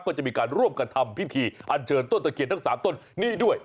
ก็จะมีการร่วมกันทำพิธีอันเชิญต้นตะเคียนทั้ง๓ต้นนี่ด้วย